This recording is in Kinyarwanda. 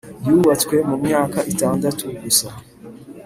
yubatswe mu myaka itandatu gusa